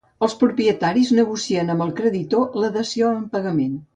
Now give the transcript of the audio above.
Els propietaris negocien amb el creditor la dació en pagament.